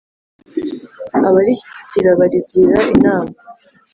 abarishyigikira barigira inama